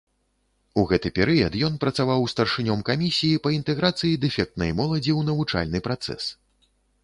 У гэты перыяд ён працаваў старшынём камісіі па інтэграцыі дэфектнай моладзі ў навучальны працэс.